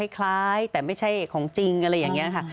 คล้ายแต่ไม่ใช่ของจริงอะไรอย่างนี้ค่ะ